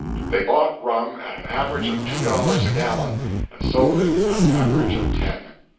They bought rum at an average of two dollars a gallon and sold it at an average of ten.